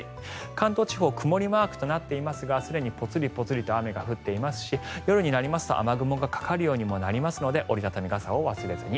関東地方、曇りマークとなっていますがすでにポツリポツリと雨が降っていますし夜になりますと雨雲がかかるようにもなりますので折り畳み傘を忘れずに。